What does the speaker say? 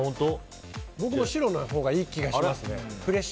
僕も白のほうがいい気がしますね。